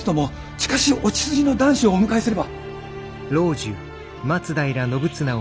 近しいお血筋の男子をお迎えすれば。